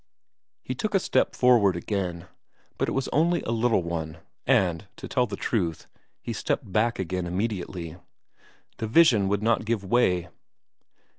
He took a step forward again, but it was only a little one, and, to tell the truth, he stepped back again immediately. The vision would not give way.